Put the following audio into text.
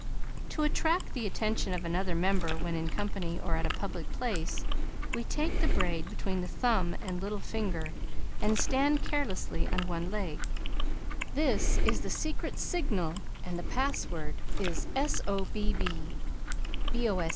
To attract the attention of another member when in company or at a public place we take the braid between the thumb and little finger and stand carelessly on one leg. This is the Secret Signal and the password is Sobb (B.O.